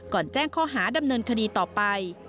แจ้งข้อหาดำเนินคดีต่อไป